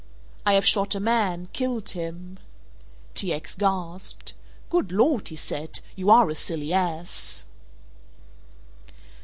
"I have shot a man, killed him!" T. X. gasped. "Good Lord," he said, "you are a silly ass!"